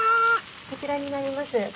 こちらになります。